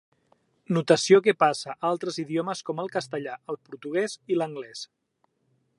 Notació que passà a altres idiomes com el castellà, el portuguès i l'anglès.